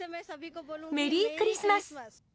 メリークリスマス。